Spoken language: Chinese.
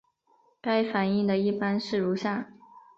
该反应的一般式如下。